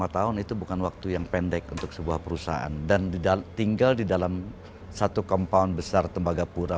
lima tahun itu bukan waktu yang pendek untuk sebuah perusahaan dan tinggal di dalam satu compound besar tembagapura